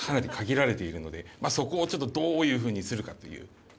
「そこをちょっとどういう風にするかという」